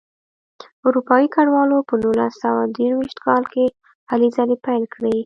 اروپایي کډوالو په نولس سوه درویشت کال کې هلې ځلې پیل کړې.